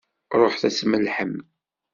Ṛuḥet ad tmellḥem!